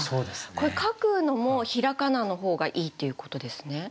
これ書くのも平仮名の方がいいっていうことですね？